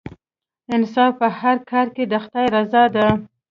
انصاف په هر کار کې د خدای رضا ده.